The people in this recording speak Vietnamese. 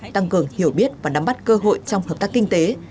tăng cường hiểu biết và nắm bắt cơ hội trong hợp tác kinh tế